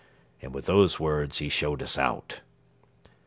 And with those words he showed us out."